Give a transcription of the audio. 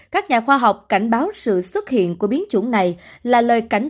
các nhà khoa học cảnh báo sự xuất hiện của biến chủng này là lời cảnh